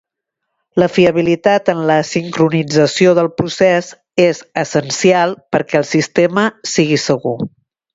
La fiabilitat en la sincronització del procés és essencial perquè el sistema sigui segur.